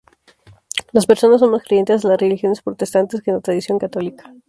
Las personas son más creyentes a las Religiones protestantes que en la tradicional Católica.